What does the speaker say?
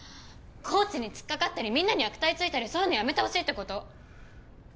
コーチに突っかかったりみんなに悪態ついたりそういうのやめてほしいって事。